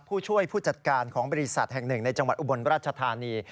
ผู้ช่วยผู้จัดการของบริษัทแห่งหนึ่งในจังหวัดอุบลราชธานี